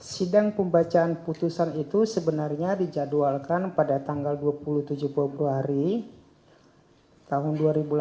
sidang pembacaan putusan itu sebenarnya dijadwalkan pada tanggal dua puluh tujuh februari tahun dua ribu delapan belas